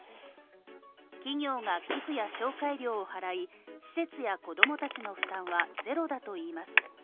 企業が寄付や紹介料を払い、施設や子供たちの負担はゼロだといいます。